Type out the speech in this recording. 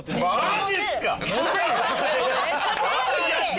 マジっすか